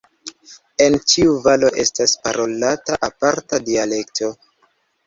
En ĉiu valo estas parolata aparta dialekto.